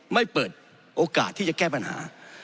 ไม่เปิดโอกาสที่จะแก้ปัญหา